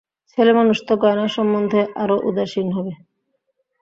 ছেলেমানুষ তো গয়না সম্বন্ধে আরও উদাসীন হবে।